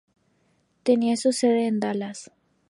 Tenía su sede en Dallas.